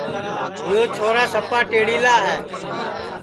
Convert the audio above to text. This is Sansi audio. یو چھورا سپا ٹیڑِیلا ہے